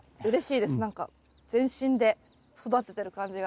全身で育ててる感じが。